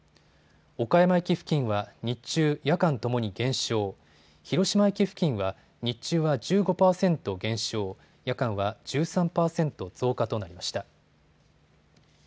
岡山駅付近は日中・夜間ともに減少、広島駅付近は日中は１５％減少、夜間は１３％増加となりました。